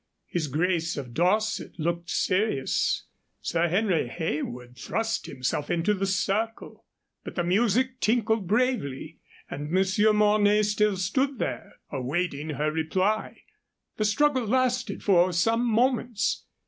His grace of Dorset looked serious. Sir Henry Heywood thrust himself into the circle. But the music tinkled bravely, and Monsieur Mornay still stood there, awaiting her reply. The struggle lasted for some moments.